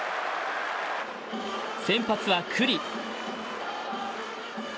先発は九里。